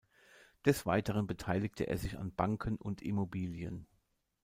Des Weiteren beteiligte er sich an Banken und Immobilien.